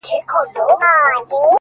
• که په ښار کي نور طوطیان وه دی پاچا وو,